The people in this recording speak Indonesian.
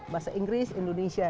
bahasa inggris indonesia